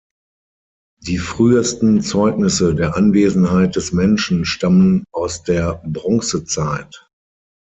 Die frühesten Zeugnisse der Anwesenheit des Menschen stammen aus der Bronzezeit.